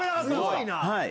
すごいな。